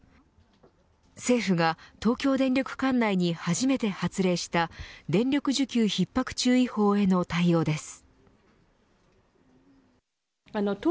政府が東京電力管内に初めて発令した電力需給ひっ迫注意報への対応です。